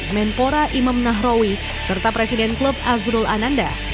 menpora imam nahrawi serta presiden klub azrul ananda